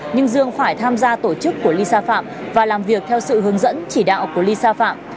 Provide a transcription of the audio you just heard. nhưng dương phải tham gia tổ chức của lisa phạm và làm việc theo sự hướng dẫn chỉ đạo của lisa phạm